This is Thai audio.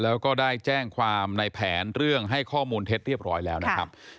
แล้วก็ได้แจ้งความในแผนเรื่องให้ข้อมูลเท็จเรียบร้อยแล้วนะครับ